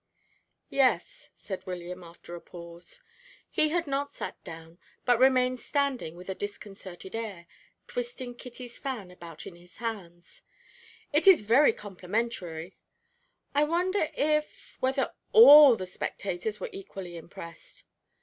"Yes," said William, after a pause. He had not sat down, but remained standing with a disconcerted air, twisting Kitty's fan about in his hands. "It is very complimentary. I wonder if whether all the spectators were equally impressed."